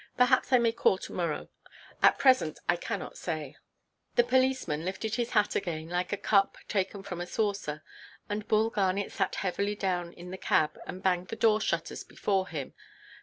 Perhaps I may call to–morrow. At present I cannot say." The policeman lifted his hat again, like a cup taken up from a saucer, and Bull Garnet sat heavily down in the cab, and banged the door–shutters before him.